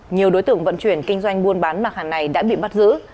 nhiều đối tượng vận chuyển kinh doanh buôn bán mạc hàng này đã bị bắt giữ